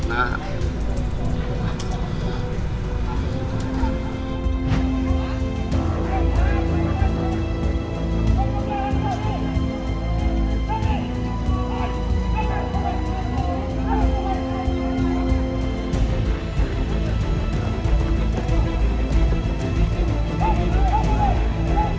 นะครับนะครับ